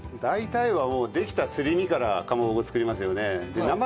大体はもうできたすり身からかまぼこを作りますよね。